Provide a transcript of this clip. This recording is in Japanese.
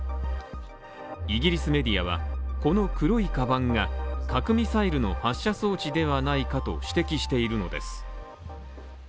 イギリスメディアは、この黒いかばんが核ミサイルの発射装置ではないかと指摘しているのです。